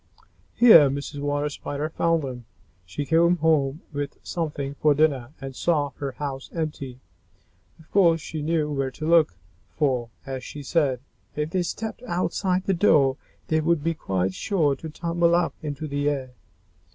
Here Mrs. Water Spider found them. She came home with something for dinner, and saw her house empty. Of course she knew where to look, for, as she said, "If they stepped outside the door, they would be quite sure to tumble up into the air."